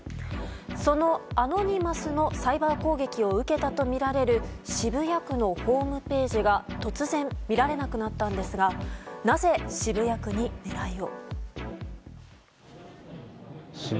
そのアノニマスのサイバー攻撃を受けたとみられる渋谷区のホームページが突然、見られなくなったんですがなぜ渋谷区に狙いを？